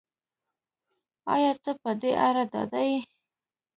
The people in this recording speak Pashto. ایا ته په دې اړه ډاډه یې